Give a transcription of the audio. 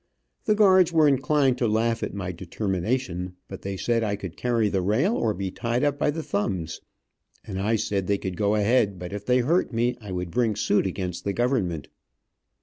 The guards were inclined to laugh at my determination, but they said I could carry the rail or be tied up by the thumbs; and I said they could go ahead, but if they hurt me I would bring suit against the government.